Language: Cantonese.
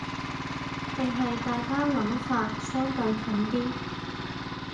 定係大家諗法相對近啲